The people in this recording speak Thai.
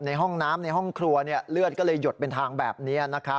ในห้องน้ำในห้องครัวเลือดก็เลยหยดเป็นทางแบบนี้